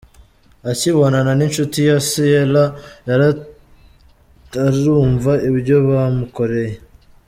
Akibonana n'inshuti ye Ciella yaratarumva ibyo bamukoreye.